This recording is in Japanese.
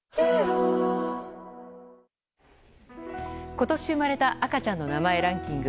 今年、生まれた赤ちゃんの名前ランキング。